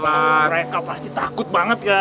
mereka pasti takut banget kan